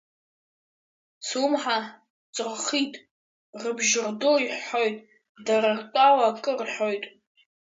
Слымҳа ҵырхит, рыбжьырду иҳәҳәоит, дара ртәала акы рҳәоит.